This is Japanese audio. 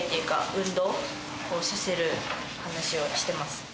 運動をさせる話をしてます。